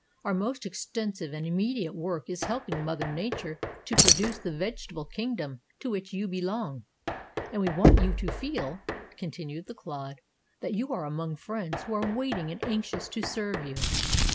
Our most extensive and immediate work is helping Mother Nature to produce the vegetable kingdom, to which you belong, and we want you to feel," continued the clod, "that you are among friends who are waiting and anxious to serve you."